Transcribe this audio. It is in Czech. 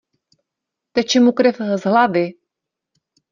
Teče mu krev z hlavy!